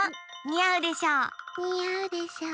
にあうでしょ。